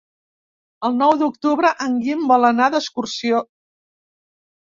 El nou d'octubre en Guim vol anar d'excursió.